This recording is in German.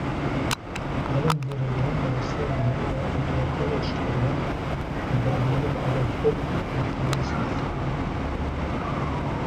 Allen wurde Lehrmeister mehrerer anderer College-Trainer, unter anderem Adolph Rupp und Dean Smith.